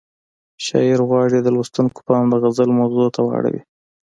شاعر غواړي د لوستونکو پام د غزل موضوع ته واړوي.